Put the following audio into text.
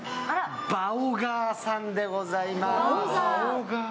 バオガーさんでございます。